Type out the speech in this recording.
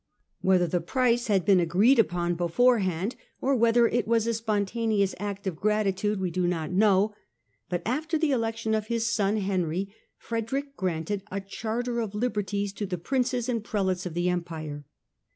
Whether the price had been agreed upon beforehand, or whether it was a spontaneous act of gratitude, we do not know ; but after the election of his son Henry, Frederick granted a charter of liberties to the Princes and Prelates of the Empire.